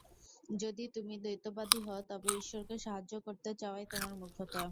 যদি তুমি দ্বৈতবাদী হও, তবে ঈশ্বরকে সাহায্য করতে চাওয়াই তোমার মূর্খতা।